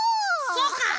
そうか！